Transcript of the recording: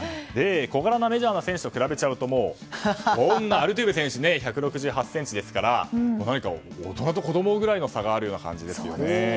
小柄なメジャーの選手と比べちゃうとアルトゥーベ選手１６８ｃｍですから大人と子供ぐらいの差がある感じですよね。